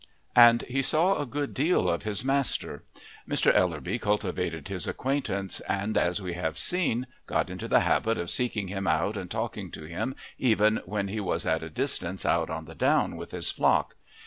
And he saw a good deal of his master. Mr. Ellerby cultivated his acquaintance, and, as we have seen, got into the habit of seeking him out and talking to him even when he was at a distance out on the down with his flock.